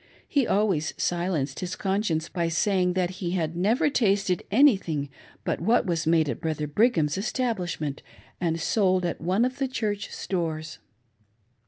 He always silenced his conscience by saying that he had never tasted anything but what was made at Brother Brigham's establishment and sold at one of the Church stores.